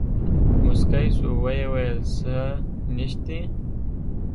موسکى سو ويې ويل سه نيشتې.